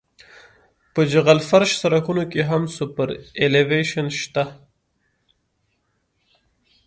په جغل فرش سرکونو کې هم سوپرایلیویشن شته